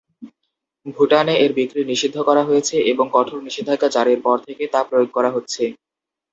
ভুটানে এর বিক্রি নিষিদ্ধ করা হয়েছে এবং কঠোর নিষেধাজ্ঞা জারির পর থেকে তা প্রয়োগ করা হচ্ছে।